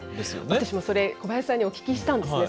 私もそれ、小林さんにお聞きしたんですよ。